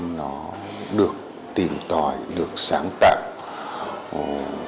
cũng được tìm tòi được sáng tạo